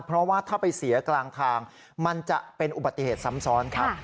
เพราะว่าถ้าไปเสียกลางทางมันจะเป็นอุบัติเหตุซ้ำซ้อนครับ